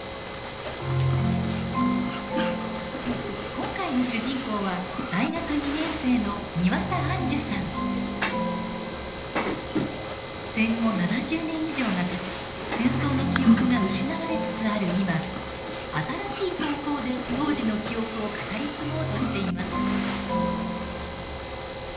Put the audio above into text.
今回の主人公は戦後７０年以上がたち戦争の記憶が失われつつある今新しい方法で当時の記憶を語り継ごうとしています。